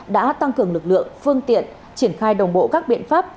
đã tăng cường lực lượng phương tiện triển khai đồng bộ các biện pháp